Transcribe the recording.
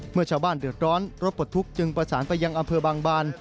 เมื่อชาวบ้านเดือดร้อนรถปลดทุกข์จึงประสานไปยังอำเภอบางบาน